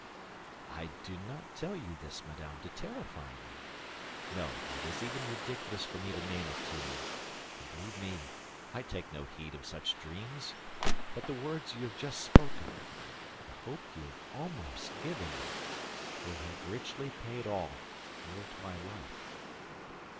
"I do not tell you this, madame, to terrify you; no, it is even ridiculous for me to name it to you, and, believe me, I take no heed of such dreams. But the words you have just spoken, the hope you have almost given me, will have richly paid all—were it my life."